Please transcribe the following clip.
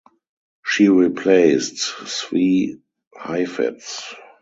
She replaced Zvi Heifetz.